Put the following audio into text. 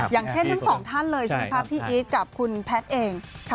อย่างเช่นทั้งสองท่านเลยใช่ไหมคะพี่อีทกับคุณแพทย์เอง